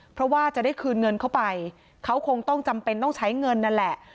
เพราะว่าจะได้คืนเงินเข้าไปเขาคงต้องจำเป็นต้องใช้เงินนั่นแหละ